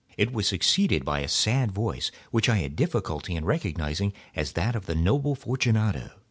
It was succeeded by a sad voice, which I had difficulty in recognising as that of the noble Fortunato.